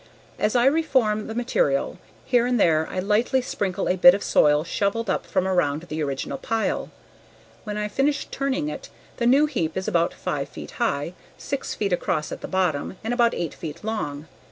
As I reform the material, here and there I lightly sprinkle a bit of soil shoveled up from around the original pile. When I've finished turning it, the new heap is about five feet high, six feet across at the bottom, and about eight feet long.